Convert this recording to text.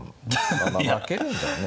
まあまあまあ受けるんだよね。